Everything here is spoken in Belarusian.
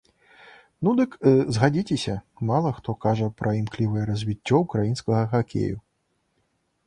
Ну дык, згадзіцеся, мала хто кажа пра імклівае развіццё ўкраінскага хакею.